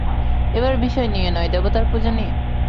এবার বিষয় নিয়ে নয়, দেবতার পুজো নিয়ে।